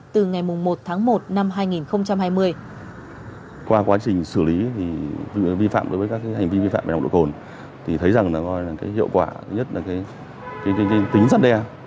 từ ngày một tháng một năm hai nghìn hai mươi